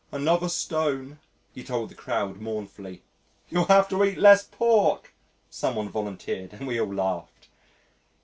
"Another stone," he told the crowd mournfully. "You'll have to eat less pork," some one volunteered and we all laughed.